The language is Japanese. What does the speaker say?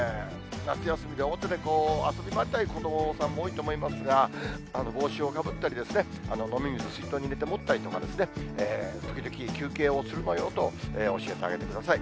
夏休みで表で遊び回ったりする子どもさんも多いと思いますが、帽子をかぶったりですね、飲み水、水筒に入れて持ったりとか、時々休憩をするのよと教えてあげてください。